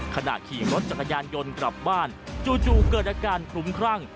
ขณะขี่รถจักรยานยนต์กลับบ้านจู่เกิดอาการคลุ้มครั่ง